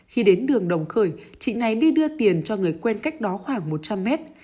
khi đến đường đồng khởi chị này đi đưa tiền cho người quen cách đó khoảng một trăm linh mét